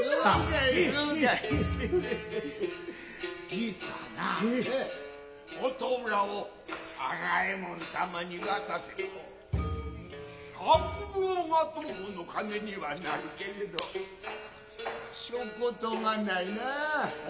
実はな琴浦を佐賀右衛門様に渡せば百両がとこの金にはなるけれどしょうことがないなァ。